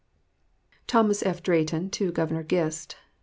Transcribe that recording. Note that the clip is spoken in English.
THOS. F. DRAYTON TO GOVERNOR GIST.